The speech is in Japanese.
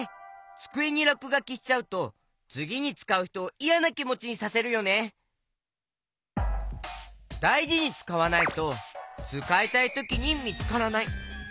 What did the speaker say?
つくえにらくがきしちゃうとつぎにつかうひとをだいじにつかわないとつかいたいときにみつからない。